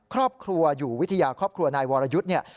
ครอบครัวอยู่วิทยาครอบครัวนายวรยุทธ์เนี่ย